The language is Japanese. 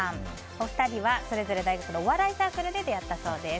お二人は、それぞれ大学のお笑いサークルで出会ったそうです。